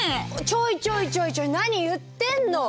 ちょいちょいちょいちょい何言ってんの！？